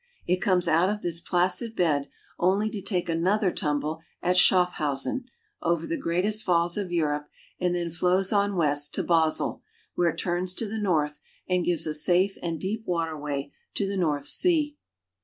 It comes out of this placid bed only to take another tumble at Schaffhausen (shaf how'zen) over the greatest falls of Europe, and then flows on west to Basel (ba'zel), where it turns to the north and gives a safe and deep waterway to the North Sea.